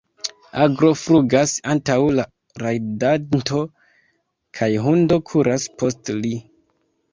Aglo flugas antaŭ la rajdanto kaj hundo kuras post li.